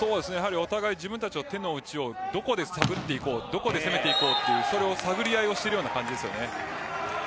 お互い、自分たちの手のうちをどこで探っていこうどこで攻めていこうというのを探り合いをしてるような感じです。